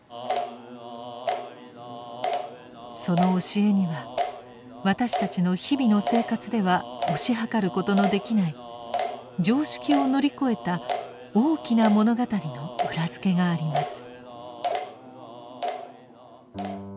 その教えには私たちの日々の生活では推し量ることのできない常識を乗り越えた大きな物語の裏付けがあります。